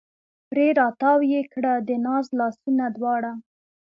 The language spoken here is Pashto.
پرې را تاو یې کړه د ناز لاسونه دواړه